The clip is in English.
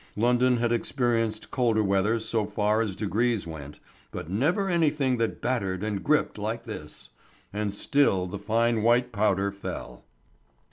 London had experienced colder weather so far as degrees went, but never anything that battered and gripped like this. And still the fine white powder fell.